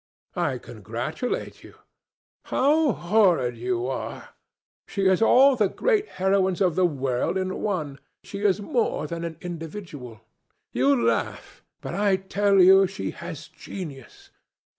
"I congratulate you." "How horrid you are! She is all the great heroines of the world in one. She is more than an individual. You laugh, but I tell you she has genius.